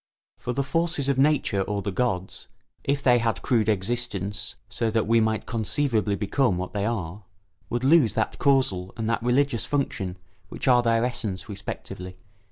For the forces of Nature or the gods, if they had crude existence, so that we might conceivably become what they are, would lose that causal and that religious function which are their essence respectively.